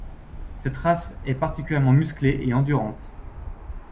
Cette race est particulièrement musclée et endurante.